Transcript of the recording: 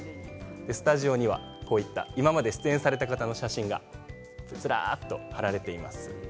スタジオには、こういった今まで出演された方の写真がずらっと貼られています。